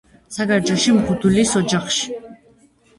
საგარეჯოში, მღვდლის ოჯახში.